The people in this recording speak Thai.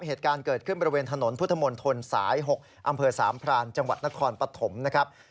เหตุการณ์เกิดขึ้นบริเวณถนนพุทธมนตรสาย๖อำเภอสามพรานจังหวัดนครปฐมนะครับ